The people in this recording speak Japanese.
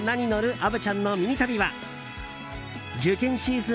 虻ちゃんのミニ旅は受験シーズン